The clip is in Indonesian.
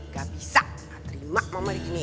gak bisa gak terima mama diginiin